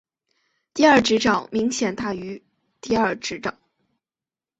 第二指爪明显大于第二指爪。